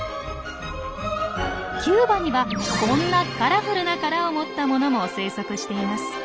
キューバにはこんなカラフルな殻を持ったものも生息しています。